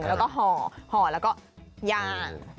แล้วก็ห่อห่อแล้วก็ย่าง